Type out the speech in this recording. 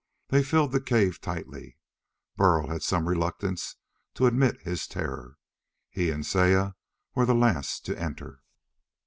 They filled the cave tightly. But Burl had some reluctance to admit his terror. He and Saya were the last to enter.